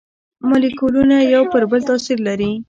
مالیکولونه یو پر بل تاثیر لري.